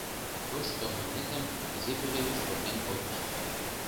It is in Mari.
— Тушто мынетым изи пӧлемыш пуртен колтышт.